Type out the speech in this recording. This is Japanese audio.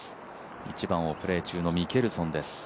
１番をプレー中のミケルソンです。